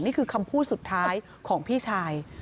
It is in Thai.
นี่คือคำพูดสุดท้ายของพี่ชาย